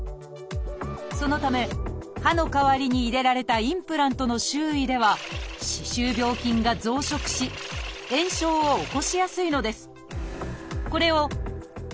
そのため歯の代わりに入れられたインプラントの周囲では歯周病菌が増殖し炎症を起こしやすいのです。